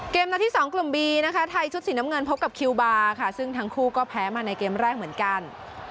นัดที่สองกลุ่มบีนะคะไทยชุดสีน้ำเงินพบกับคิวบาร์ค่ะซึ่งทั้งคู่ก็แพ้มาในเกมแรกเหมือนกัน